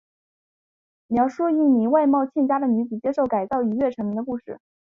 描述一名外貌欠佳的女子接受改造一跃成名的故事。